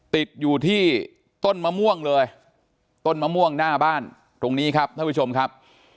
ติดอยู่ที่ต้นมะม่วงเลยต้นมะม่วงหน้าบ้านตรงนี้ครับท่านผู้ชมครับ